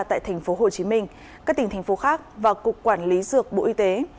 tại tp hcm các tỉnh thành phố khác và cục quản lý dược bộ y tế